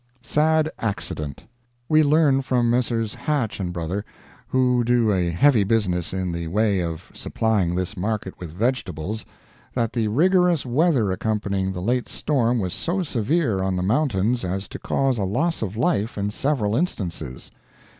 SAD ACCIDENT.—We learn from Messrs. Hatch &. Bro., who do a heavy business in the way of supplying this market with vegetables, that the rigorous weather accompanying the late storm was so severe on the mountains as to cause a loss of life in several instances.